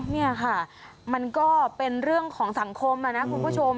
นี่ค่ะมันก็เป็นเรื่องของสังคมนะคุณผู้ชม